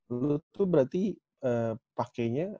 lu tuh berarti pakainya